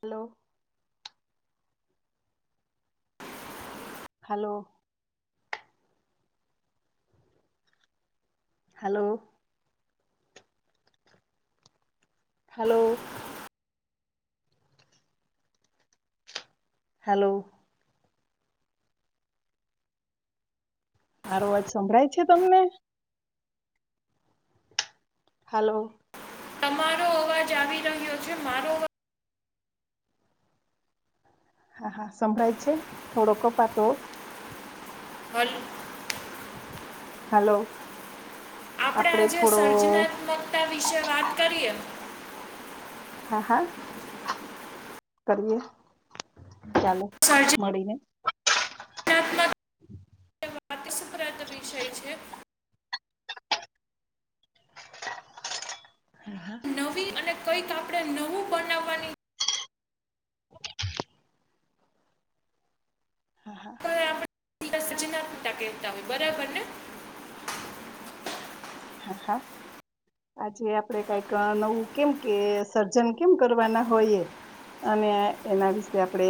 Hello. Hello. Hello. Hello. Hello. મારું વાજ સંભળાય છે તમને. હલો. તમારો અવાજ આવી રહ્યો છે મારો અવાજ હા હા સંભળાય છે થોડો કપાતો હલ હલો. આપણે આપડે આજે થોડો સર્જનાત્મકતા વિશે વાત કરીએ. હા હા કરીએ. ચાલો મળીને. [inaudible] વાતિસપ્રદ વિષય છે. હા. વી અને કંઈક આપણે નવું બનાવવાની હા હા. [unintelligible] સ જનાક ટાકે તક બરાબર ને. હા હા. આજે આપડે કઈક નવું કેમ કે સર્જન કેમ કરવાના હોયએ. અને એના વિશે આપણે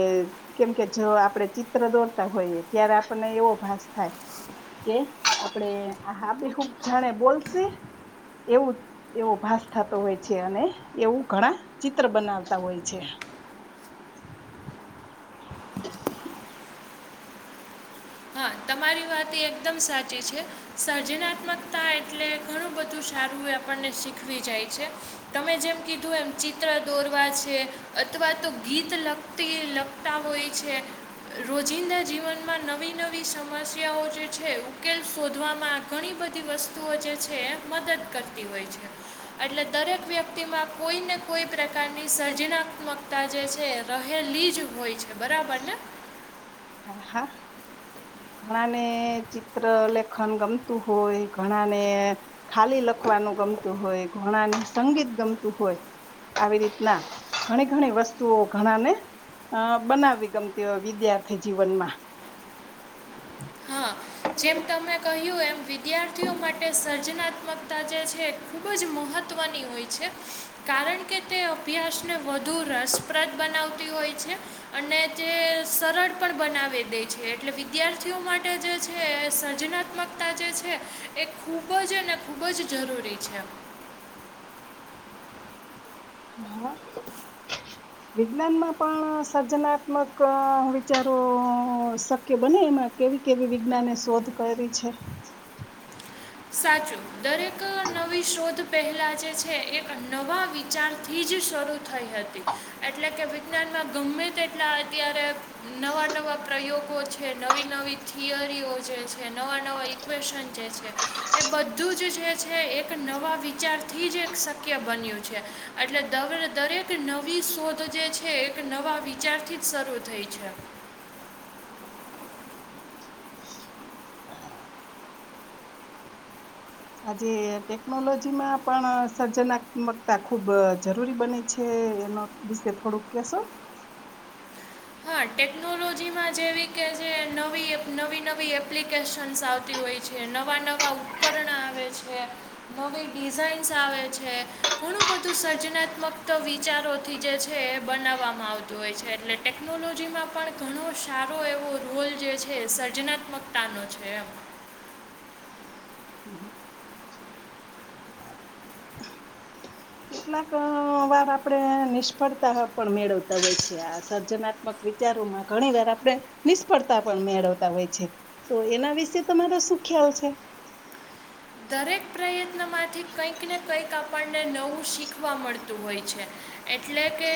કેમ કે જો આપડે ચિત્ર દોડતા હોઈએ ત્યારે આપને એવો ભાસ થાય કે આપડે આ હબે હૂબ જાણે બોલસે એવું એવો ભાસ થતો હોય છે અને એવું ઘણા ચિત્ર બનાવતા હોય છે. હા તમારી વાત એ એકદમ સાચી છે સર્જનાત્મકતા એટલે ઘણું બધું સારું એ આપણને શીખવી જાય છે તમે જેમ કીધું એમ ચિત્ર દોરવા છે. અથવા તો ગીત લગતી લખતા હોય છે રોજિંદા જીવનમાં નવી નવી નવી સમસ્યાઓ જે છે ઉકેલ શોધવામાં ઘણી બધી વસ્તુઓ જે છે મદદ કરતી હોય છે. એટલે દરેક વ્યક્તિમાં કોઈ ને કોઈ પ્રકાર ની સર્જનાત્મકતા જે છે રહેલી જ હોય છે બરાબર ને. હા હા. ઘણા ને ચિત્ર લેખન ગમતું હોય ઘણા ને ખાલી લ ખવાનું ગમતું હોય ઘણાને સંગીત ગમતું હોય. આવી રીતના ઘણી ઘણી વસ્તુઓ ઘણા ને અ બનાવી ગમતી હોય વિદ્યાર્થી જીવનમાં. હા જેમ તમે કહ્યું એમ વિદ્યાર્થીઓ માટે સર્જનાત્મકતા જે છે ખૂબ જ મહત્ ત્વની હોય છે કારણ કે તે અભ્યાસને વધુ રસપ્રદ બનાવતી હોય. છે અને તે સરળ પણ બનાવી દે છે એટલે વિદ્યાર્થીઓ માટે જે છે છે સર્જનાત્મકતા જે છે એ ખૂબ જ અને ખૂબ જ જરૂરી છે. [inaudible] હા. વિજ્ઞાન માં પણ સર્જનાત્મક વિચારો શક્ય બને એમાં કેવી કેવી વિજ્ઞાને શોધ કર છે. સાચું દરેક નવી શોધ પહેલાં જે છે એક નવા વિચારથી જ શરૂ થઈ હતી એટલે કે વિજ્ઞાન ગમે તેટલા અત્યારે નવા નવા પ્રયોગો છે નવી નવી થિયરીઓ જે છે નવા નવા ઈક્વેશન જે છે. એ બધું જ જે છે એક નવા વિચારથી જ એક શક્ય બન્યું છે એટલે દગ દરેક નવી શોધ જે છે એક નવા વિચારથી જ શરૂ થઈ છે [inaudible] આજે ટેકનોલોજી માં પણ સર્જનાત્મકતા ખુબ જરૂરી બને છે એનો વિશે થોડુંક કેશો હા ટેકનોલોજીમાં જેવી કે જે નવી નવી નવી એપ્લિકેશન્સ આવતી હોય નવા નવા ઉપકરણ આવે છે નવી ડિઝઇન્સ આવે છે ઘણું બધું સર્જનાત્મક વિચારોથી જે છે એ બનાવવામાં આવતું હોય છે એટલેટે ટેકનોલોજીમાં પણ ઘણો સારો એવો રોલ જે છે સર્જનાત્મકતાનો છે એમ [inaudible] હમ હ કેટલાક વાર આપડણે નિષ્ફળતા પણ મેળવતા હોય છે આ સર્જનાત્મક વિચાર નિષ્ફળતા મેળવતા હોય છે તો એના વિશે તમારો શું ખ્યાલ છે દરેક પ્રયત્ન માંથી કઈક ને કંઈક આપણને નવું શીખવા મળતું હોય છે એટલે કે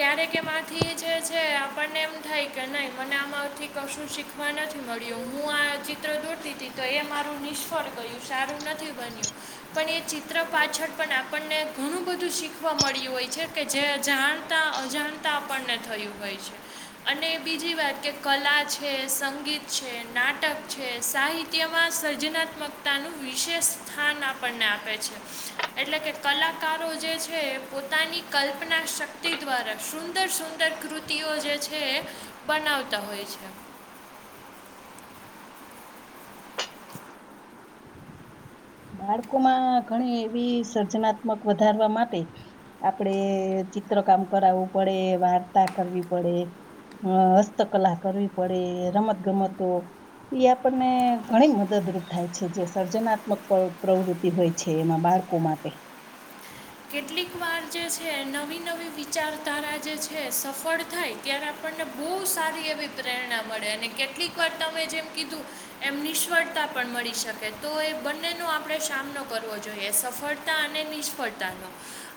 ક્યારેક એમાંથી જે છે આપણને એમ થાય કે નઈ મને આમાં થી કશું શીખવા નથી મળ્યું હું આ ચિત્ર દોરતી તી તો એ મારું નિષ્ફળ ગયું સારું નથી બન્યું પણ એ ચિત્ર પાછળ પણ આપણને ઘણું બધું શીખવા મળ્યું હોય જે કે જે જાણતા અજાણતા આપણને થયું હોય છે અને બીજી વાત કે કલા છે સંગીત છે નાટક છે સાહિત્યમાં સર્જનાત્મક તાનુ વિશેષ સ્થાન આપણને આપે છે એટલે કે કલાકારો જે છે પો પોતાની કલ્પના શક્તિ દ્વારા સુંદર સુંદર કૃતિઓ જે છે એ બનાવ તા હોય છે [inaudible] બાળકો માં ઘણી એવી સર્જનાત્મક વધારવા માટે આપડે ચિ ચિત્ર કામ કરાવવું પડે વાર્તા કરવી પડે અ હસ્તકલા કરવી પડે રમત ગમતો ઈ આપણને ઘણી મદદરૂપ થાય છે જે સર્જનાત્મક પર પ્રવૃત્તિ હોય છે એમાં બાળકો માટે કેટલીક વાર જે છે નવી નવી વિચારધારા જે છે સફળ થાય ત્યારે આપ ને બોવ સારી એવી પ્રેરણા મળે અને કેટલીક વાર તમે જેમ કીધું એમ નિષ્ફળતા પણ મળી શકે તો એ બંનેનો આપણે સામનો કરવો જોઈએ સફળતા અને નિષ્ફળ તાનો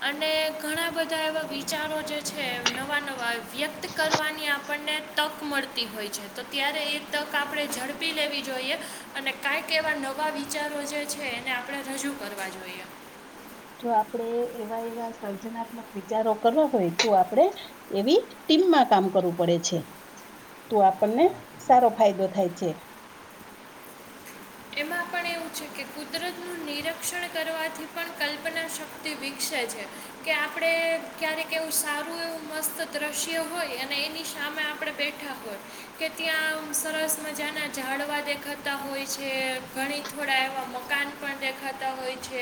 અને ઘણા બધા એવા વિચારો જે છે નવા નવા વ્યક્ત કરવા વાની આપને તક મળતી હોય છે તો ત્યારે એ તક આપણે ઝડપી લેવી જોઈએ અ અને કાંઈક એવા નવા વિચારો જે છે એને આપણે રજૂ કરવા જોઈએ જો આપણેે એવા એવા સર્જનાત્મક વિચારો કરવા હોય તો આપણે એવી ટીમમાં કામ કરવું પડે છે તો આપણને સારો ફાયદો થાય છે [inaudible] એમાં પણ એવું છે કે કુદરતનું નિરીક્ષણ કરવાથી પણ કલ્પનાશક્તિ વિકસે છે કે આપણે ક્યારેક એવું સારું એવું મસ્ત દ્રશ્ય હોય અને એની સામે મેં આપણે બેઠા હોય કે ત્યાં આમ સરસ મજા ના ઝડવા દેખાતા હોય છે [inaudible] ઘણી થોડા એવા મકાન પણ દેખાતા હોય છે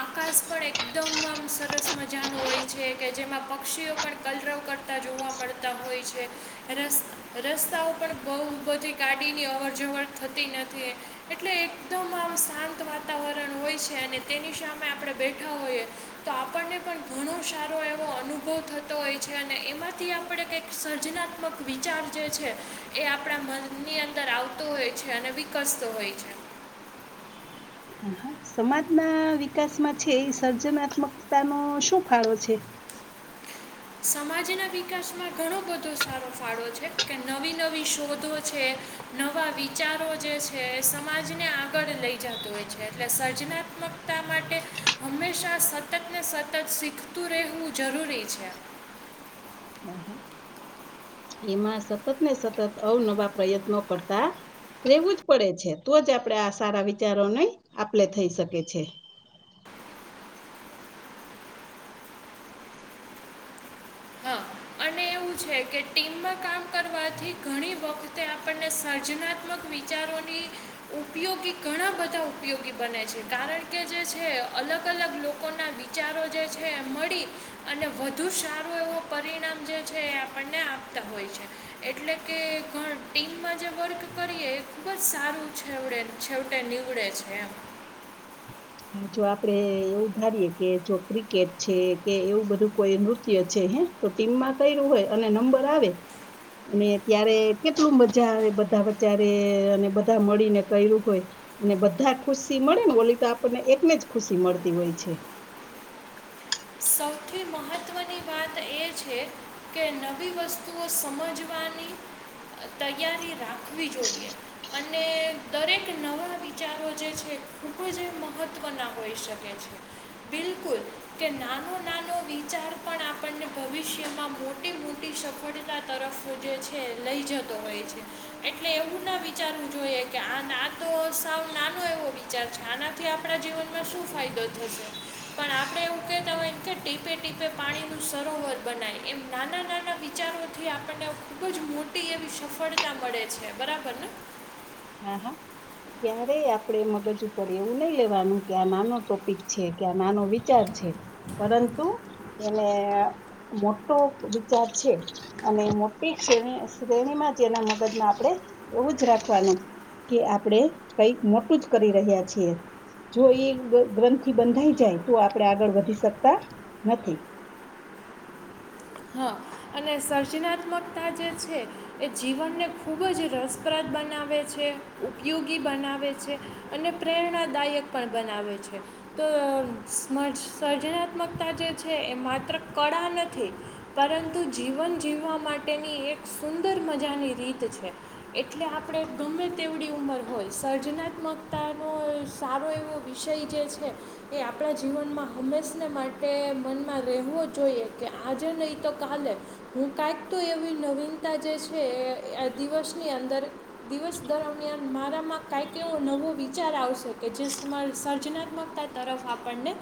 આકાશ પણ એકદમ આમ સરસ મજાનુ હોય છે કે જેમાં પક્ષીઓ પણ કલરવ કરતા જોવા મળતા હોય છે એને [inaudible] રસ્તાઓ પણ બો બધી ગાડીની અવર જવર થતી નથી એટલે એકદમ આમ શાંત વાતાવરણ હોય છે અને તેની સામે આપણે બેઠા હોઈએ તો આપણને પણ ઘણો સારો એવો અનુભવ થતો હોય છે અને એમાંથી આપણે કંઈક સર્જના ત્મક વિચાર જે છે એ આપણા મનની અંદર આવતો હોય છે અને વિકસતો હોય છે હા હા સમાજના વિકાસમાં છે એ સર્જનાત્મકતાનો શું ફાળો છે સમાજના વિકાસમાં ઘણો બધો સારો ફાળો છે કે નવી નવી શોધો છે નવા વિચારો જે છે એ સમાજને આગળ લઈ જતો હોય છે એટલે સર્જના ત્મકતા માટે હંમેશાં સતત ને સતત શીખતું રહેવું જરૂરી છે એમાં સતત ને સતત અવનવા પ્રયત્નો કરતા રેવું જ પડે છે તો જ આપડે આ સારા વિચારોને નઈ આપલે થઈ શકે છે [inaudible] હા અને એવું છે કે ટીમમાં કામ કરવાથી ઘણી વખતે આપણને સર્જનાત્મક વિચાર ઓની ઉપયોગી ઘણા બધા ઉપયોગી બને છે કારણ કે જે છે અલગ અલગ લોકોના વિચારો જે છે એ મળી અને વધુ સારું એવું પરિણામ જે [inaudible] આપને આપતા હોય છે એટલે કે ઘ ટીમમાં જે વર્ક કરીએ એ ખૂબ જ સારો છેવડે છેવટે નીવડે છે એમ [inaudible] હા જો આપડે એવું ધારીએે કે જો ક્રિકેટ છે કે એવું બધું કોઈ નૃત્ય છે હે તો ટીમમાં કર્યું હોય અને નંબર આવે અને ત્યારે કેટલું મજા બધા વચારે અને બધા મળીને કર્યું હોય. અને બધા ખુશી મળે ને ઓલી તો આપને એકને જ ખુશી મળતી હોય છે. સૌથી મહત્ત્વની વાત એ છે કે નવી વસ્તુઓ સમજવાની [inaudible] તૈયારી રાખવી જોઈએ અને દરેક નવા વિચારો જે છે. ખબ મહત્વના હોય શકે છે. બિલકુલ કે ના [inaudible] વિચાર પણ આપણને ભવિષ્યમાં મોટી મોટી સફળતા તરફ જે છે લઈ જાય. [unintelligible] એટલે એવું ના વિચારવું જોઈએ કે તો સાવ નાનો એવો વિચાર [unintelligible] આનાથી આપણા જીવનમાં શું ફાયદો થશે પણ આપણે એવું કતા હોય કે ટીપે ટીપે પાણીનું સરોવર બનાય એમ નાના નાના વિચારોથી આપણને ખૂબ જ મોટી એવી સફળતા મળે છે. બરાબર ને. હા. હા. ક્યારે આપણે મગજ ઉપર એવું નહી લેવાનું કે આ નાનો ટોપિક છે કે આ નાનો વિચાર છે. પરંતુ એને મોટો વિચાર છે અને મોટી [unintelligible] શ્રેણીમાં જેના મગજમાં આપડે એવું જ રાખવાનું આપડણે કઈક મોટું જ કરી રહ્યા છીએ. જો એ ગ્રંથથી બંધાઈ જાય તો આપણેે આગળ વધી શકતા નથી. [inaudible] હા. અને સર્જનાત્મકતા જે છે એ જીવનને ખૂબ જ રસપ્રદ બનાવે. છે. ઉપયોગી બનાવે છે. અને પ્રેરણાદાયક પણ બનાવે છે. તો સર્જનાત્મકતા જે છે. એ માત્ર કટ કળા નથી પરંતુઆ જીવન જીવવા માટેની એક સુંદર મજાની રીત છે એટલે આપણે ગમ મે તેવડી ઉંમર હોય સર્જનાત્મકતાનો સારો એવો વિષય જે છે એ આપણા જીવનમાં હંમેશને માટે મનમાં રહેવો જોઈએ કે આજે નહીં તો કાલે હું કક તો એવી નવીનતા જે છે. દિવસની અંદર દિવસ દરમિયાન મારામાં કાંઈક એવો નવો વિચાર આવશે કે જે સર્જનાત્મકતા તરફ આપણને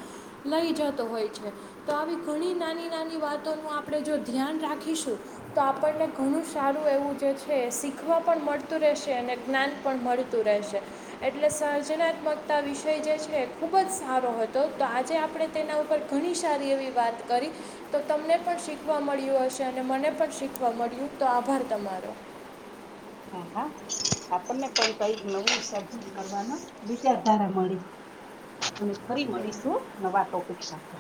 લઈ જતો હોય છે. તો આવી ઘણી નાની નાની વાતોનું આપણે જો ધ્યાન રાખીશું તો આપણને ઘણું સારું એવું જે છે શીખવા પણ મળતું રહે રહેશે અને જ્ઞાન પણ મળતું રહેશે એટલે સર્જનાત્મકતા વિષય જે છે. ખૂબ જ સારો હતો તો આજે આપણે તેના ઉપર ઘણી સારી એવી વાત કરી તો તમને પણ શી શીખવા મળ્યું હશે અને મને પણ શીખવા મળ્યું તો આભાર તમારો. હા હા આપણને પણ કઈક નવું સર્જન કરવાના વિચારધારા મળી. [unintelligible] ફરી મળીશું નવા ટોપિક સાથે.